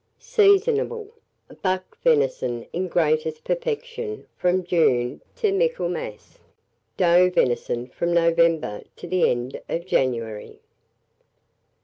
Seasonable. Buck venison in greatest perfection from June to Michaelmas; doe venison from November to the end of January.